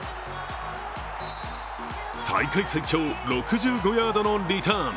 大会最長、６５ヤードのリターン。